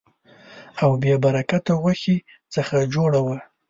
او بې برکته غوښې څخه جوړه وه.